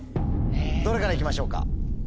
どれから行きましょうか？